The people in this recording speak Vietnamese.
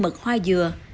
mật hoa dừa